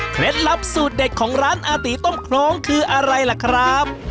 ลับสูตรเด็ดของร้านอาตีต้มโครงคืออะไรล่ะครับ